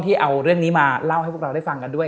เอาเรื่องนี้มาเล่าให้พวกเราได้ฟังกันด้วย